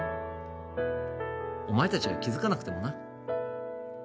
お前達が気づかなくてもな